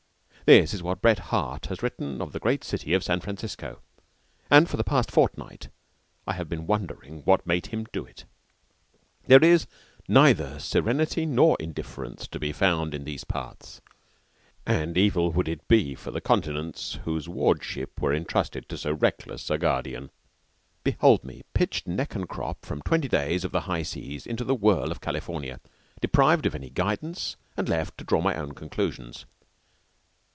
THIS is what Bret Harte has written of the great city of San Francisco, and for the past fortnight I have been wondering what made him do it. There is neither serenity nor indifference to be found in these parts; and evil would it be for the continents whose wardship were intrusted to so reckless a guardian. Behold me pitched neck and crop from twenty days of the high seas into the whirl of California, deprived of any guidance, and left to draw my own conclusions.